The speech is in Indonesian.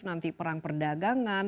nanti perang perdagangan